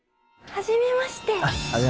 はじめまして。